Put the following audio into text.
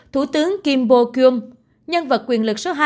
thủ tướng kim bo kyum nhân vật quyền lực số hai